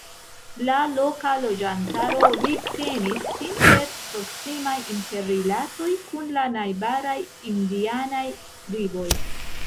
La loka loĝantaro vivtenis sin per proksimaj interrilatoj kun la najbaraj indianaj triboj.